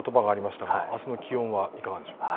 あすの気温はいかがでしょうか。